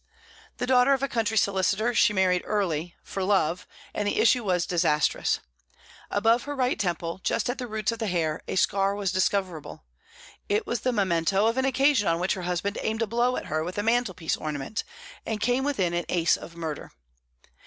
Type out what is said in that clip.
The daughter of a country solicitor, she married early for love, and the issue was disastrous. Above her right temple, just at the roots of the hair, a scar was discoverable; it was the memento of an occasion on which her husband aimed a blow at her with a mantelpiece ornament, and came within an ace of murder.